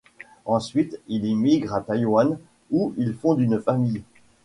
Ensuite, il immigre à Taïwan, où il fonde une famille.